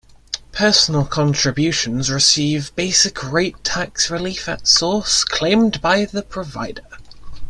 Personal contributions receive basic rate tax relief at source claimed by the provider.